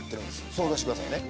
想像してくださいね。